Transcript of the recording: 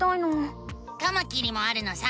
カマキリもあるのさ！